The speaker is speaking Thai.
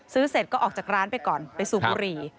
เสร็จก็ออกจากร้านไปก่อนไปสูบบุหรี่